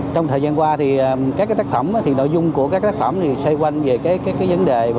trong thời gian qua thì các tác phẩm thì nội dung của các tác phẩm thì rất là hào hứng